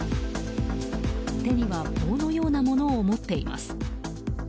手には棒のようなものを持っています。